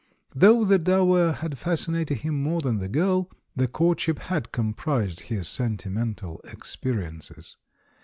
Though the dower had fascinated him more than the girl, the courtship had comprised his sentimental ex periences.